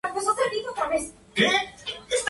Da Lang siguió esperando, pero ella nunca apareció.